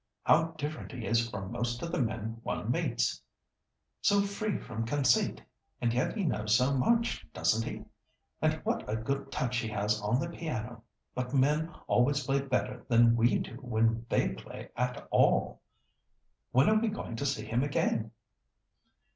How different he is from most of the men one meets. So free from conceit, and yet he knows so much, doesn't he? And what a good touch he has on the piano! But men always play better than we do when they play at all. When are we going to see him again?"